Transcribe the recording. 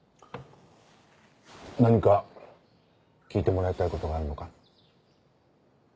何か聞いてもらいたい事があるのか？